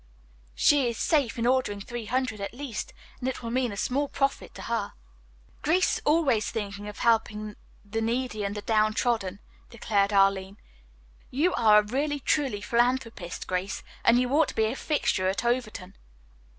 She is safe in ordering three hundred at least, and it will mean a small profit to her." "Grace is always thinking of helping the needy and the downtrodden," declared Arline. "You are a really truly philanthropist, Grace, and you ought to be a fixture at Overton."